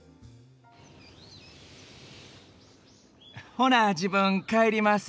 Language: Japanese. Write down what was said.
ほな自分帰ります。